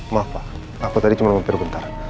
maaf pak aku tadi cuma mimpi bentar